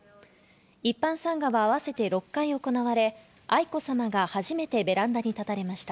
一般参賀は合わせて６回行われ、愛子さまが初めてベランダに立たれました。